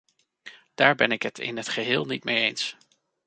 Daar ben ik het in het geheel niet mee eens.